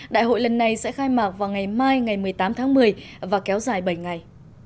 đại hội lần này sẽ khai mạc vào ngày mai ngày một mươi tám tháng một mươi và kéo dài bảy ngày